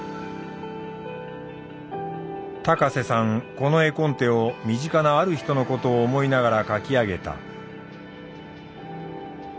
この絵コンテを身近なある人のことを思いながらかき上げた。